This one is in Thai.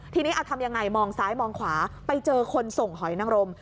ทีนี้เอาทำยังไงมองซ้ายมองขวาไปเจอคนส่งหอยนังรม